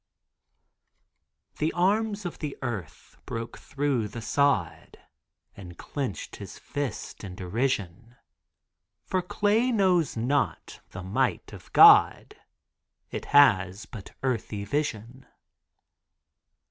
The arms of the earth broke through the sod And clenched his fist in derision, For clay knows not the might of God, It has but earthy vision.